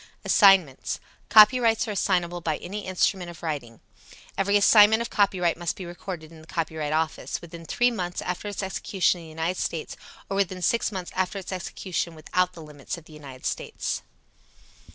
Assignments. Copyrights are assignable by any instrument of writing. Every assignment of copyright must be recorded in the Copyright Office within three months after its execution in the United States or within six months after its execution without the limits of the United States.